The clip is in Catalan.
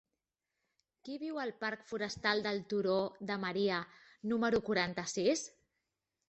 Qui viu al parc Forestal del Turó de Maria número quaranta-sis?